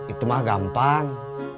itu mah gampang